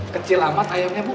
kecil amat ayamnya bu